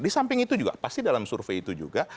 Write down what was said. di samping itu juga pasti dalam survei itu juga